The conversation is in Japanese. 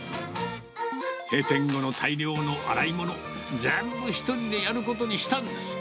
閉店後の大量の洗い物、全部１人でやることにしたんです。